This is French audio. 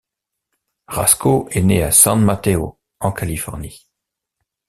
Rasco est né à San Mateo, en Californie.